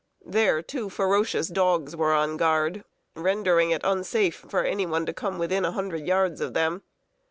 There, two ferocious dogs were on guard, rendering it unsafe for any one to come within a hundred yards of them.